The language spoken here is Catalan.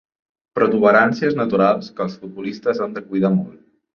Protuberàncies naturals que els futbolistes han de cuidar molt.